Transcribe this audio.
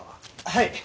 はい。